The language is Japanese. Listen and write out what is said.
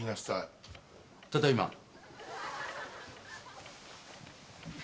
ただいま。